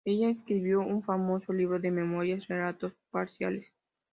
Ella escribió un famoso libro de memorias "Relatos parciales".